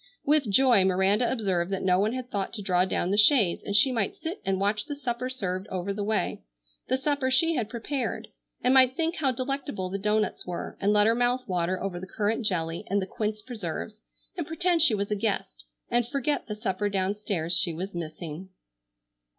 With joy Miranda observed that no one had thought to draw down the shades and she might sit and watch the supper served over the way,—the supper she had prepared,—and might think how delectable the doughnuts were, and let her mouth water over the currant jelly and the quince preserves and pretend she was a guest, and forget the supper downstairs she was missing.